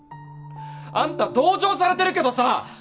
あんた同情されてるけどさ